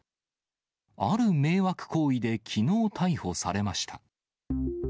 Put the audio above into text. ある迷惑行為で、きのう逮捕されました。